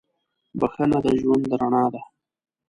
• بخښنه د ژوند رڼا ده.